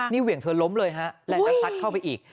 นี่เหวี่ยงเธอล้มเลยฮะแรงจะซัดเข้าไปอีก